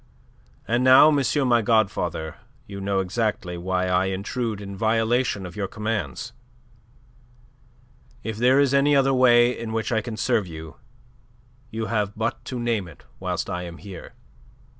And now, monsieur my godfather, you know exactly why I intrude in violation of your commands. If there is any other way in which I can serve you, you have but to name it whilst I am here."